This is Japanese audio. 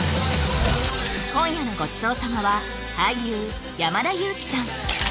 今夜のごちそう様は俳優山田裕貴さん